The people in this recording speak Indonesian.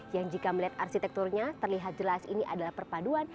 yang jika melihat arsitekturnya terlihat jelas ini adalah perpaduan